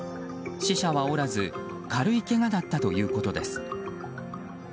死者はおらず軽いけがだったということです。